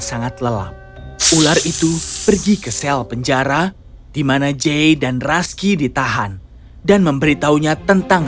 sangat lelap ular itu pergi ke sel penjara dimana jay dan raski ditahan dan memberitahunya tentang